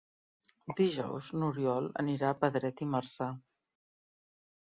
Dijous n'Oriol anirà a Pedret i Marzà.